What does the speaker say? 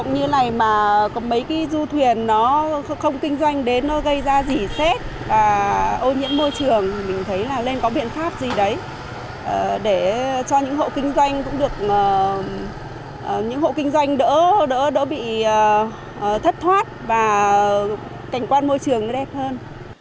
những hộ kinh doanh đỡ bị thất thoát và cảnh quan môi trường đẹp hơn